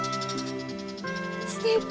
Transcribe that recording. すてき！